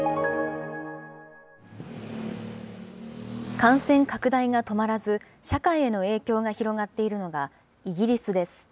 感染拡大が止まらず、社会への影響が広がっているのがイギリスです。